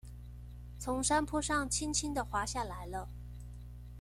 從山坡上輕輕的滑下來了